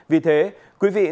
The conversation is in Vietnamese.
vì thế quý vị